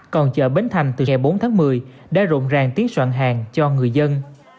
còn chợ bến thành từ ngày bốn tháng một mươi đã rộn ràng tiến soạn hàng cho người dân